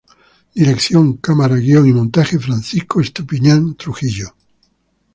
Dirección, Cámara, Guion y Montaje: Francisco Estupiñán Trujillo